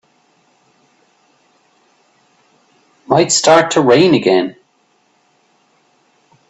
Might start to rain again.